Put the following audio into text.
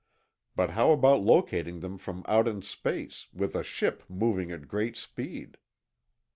But how about locating them from out in space, with a ship moving at great speed?